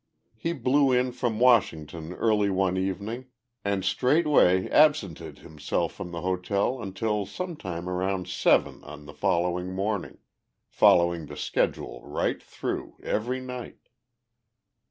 He blew in from Washington early one evening and straightway absented himself from the hotel until sometime around seven the following morning, following the schedule right through, every night.